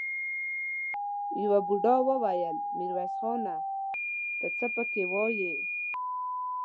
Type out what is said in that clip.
يوه بوډا وويل: ميرويس خانه! ته څه پکې وايې؟